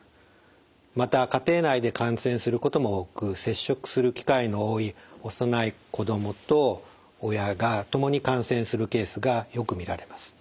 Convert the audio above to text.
また家庭内で感染することも多く接触する機会の多い幼い子どもと親が共に感染するケースがよく見られます。